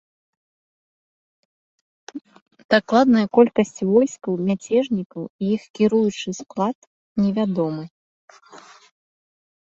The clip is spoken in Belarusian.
Дакладная колькасць войскаў мяцежнікаў і іх кіруючы склад невядомы.